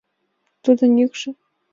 Тудын йӱкшӧ!